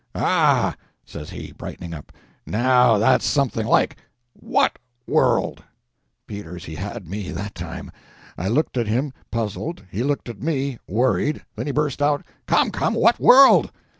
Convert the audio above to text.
"Ah," says he, brightening up, "now that's something like! What world?" Peters, he had me, that time. I looked at him, puzzled, he looked at me, worried. Then he burst out— "Come, come, what world?"